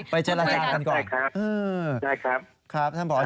ไปเจอราจารย์กันก่อน